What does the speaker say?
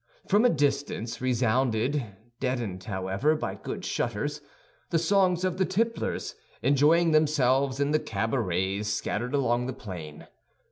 From a distance resounded, deadened, however, by good shutters, the songs of the tipplers, enjoying themselves in the cabarets scattered along the plain.